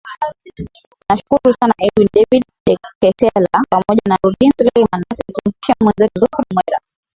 nashukuru sana edwin david deketela pamoja na nurdin sulemani basi tumpishe mwezetu zuhra mwera